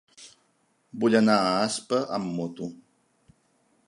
Vull anar a Aspa amb moto.